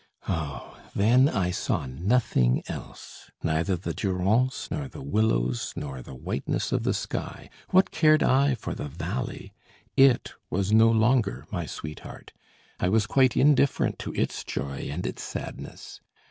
Oh! then, I saw nothing else, neither the Durance, nor the willows, nor the whiteness of the sky. What cared I for the valley! It was no longer my sweetheart; I was quite indifferent to its joy and its sadness.